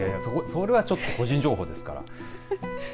それはちょっと個人情報ですから。